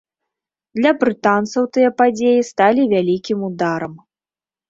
Для брытанцаў тыя падзеі сталі вялікім ударам.